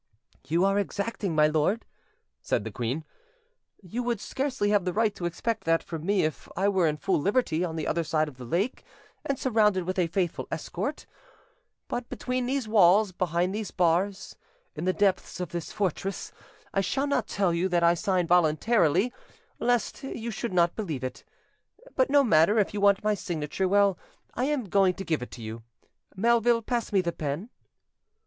"You are exacting, my lord," said the queen: "you would scarcely have the right to expect that from me if I were in full liberty on the other side of the lake and surrounded with a faithful escort; but between these walls, behind these bars, in the depths of this fortress, I shall not tell you that I sign voluntarily, lest you should not believe it. But no matter, you want my signature; well, I am going to give it to you. Melville, pass me the pen."